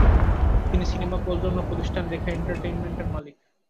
তিনি সিনেমা প্রযোজনা প্রতিষ্ঠান রেখা এন্টারটেইনমেন্টের মালিক।